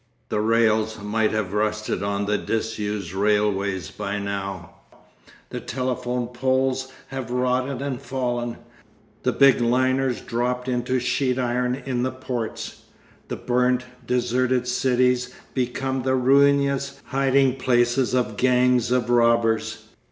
The rails might have rusted on the disused railways by now, the telephone poles have rotted and fallen, the big liners dropped into sheet iron in the ports; the burnt, deserted cities become the ruinous hiding places of gangs of robbers.